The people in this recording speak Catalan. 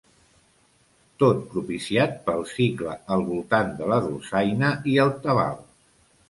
Tot propiciat pel 'Cicle al voltant de la dolçaina i el tabal'.